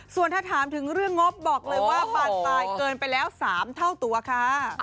ส่วนถ้าถามถึงเรื่องงบบอกเลยว่าบานปลายเกินไปแล้ว๓เท่าตัวค่ะ